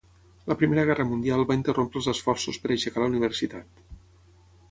La primera guerra mundial va interrompre els esforços per aixecar la universitat.